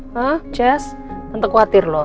hah jess tante khawatir lho